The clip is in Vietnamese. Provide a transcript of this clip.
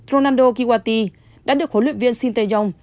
ronaldo kiwati đã được hỗ luyện viên sinteyong